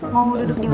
mau duduk dimana